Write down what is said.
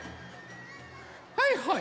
はいはい。